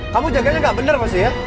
kamu jaganya gak bener pasti ya